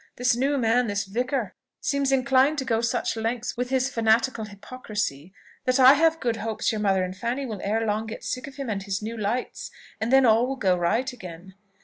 This new man, this vicar, seems inclined to go such lengths with his fanatical hypocrisy, that I have good hopes your mother and Fanny will ere long get sick of him and his new lights, and then all will go right again.